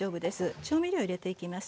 調味料入れていきます。